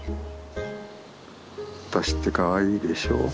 私ってかわいいでしょ？